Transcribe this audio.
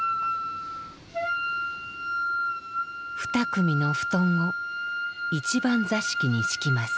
２組の布団を一番座敷に敷きます。